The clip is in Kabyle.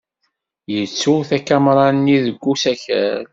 Yettu takamra-nni deg usakal.